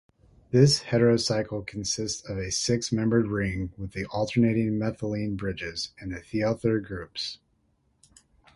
This heterocycle consists of a six-membered ring with alternating methylene bridges and thioether groups.